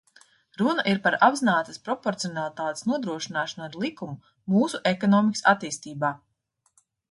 Runa ir par apzinātas proporcionalitātes nodrošināšanu ar likumu mūsu ekonomikas attīstībā.